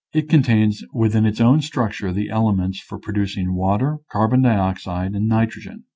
It contains within its own structure the elements for pro ducing water, carbon dioxide, and nitrogen.